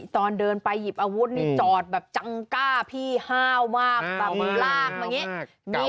ตอนเดินไปหยิบอาวุธนี่จอดแบบจังกล้าพี่ห้าวมากแบบลากมาอย่างนี้